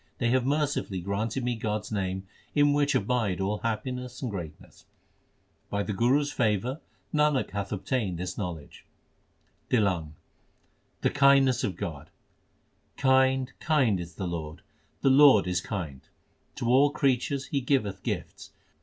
They have mercifully granted me God s name In which abide all happiness and greatness. By the Guru s favour Nanak hath obtained this know ledge. TlLANG l The kindness of God : Kind, kind is the Lord ; My Lord is kind : To all creatures He giveth gifts.